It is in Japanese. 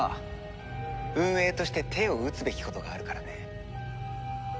運営として手を打つべきことがあるからね。